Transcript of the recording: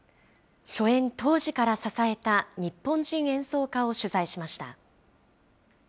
初演当時から支えた日本人演奏家を取材しました。